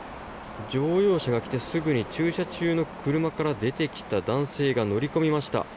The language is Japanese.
乗用車が来てすぐに駐車中の車から出てきた男性が乗り込みました。